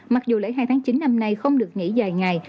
mặc dù lễ hai tháng chín năm nay không được nghỉ dài ngày